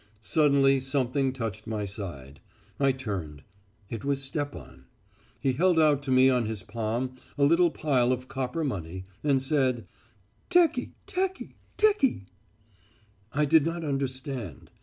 "Suddenly something touched my side. I turned. It was Stepan. He held out to me on his palm a little pile of copper money, and said: 'Teki, teki, teki....' "I did not understand.